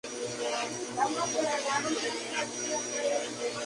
Las estructuras actuales incluyen dos "yagura" reconstruidas.